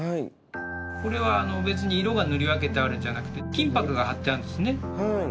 これは別に色が塗り分けてあるんじゃなくて金ぱくが貼ってあるんですね。